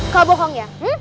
kau bohong ya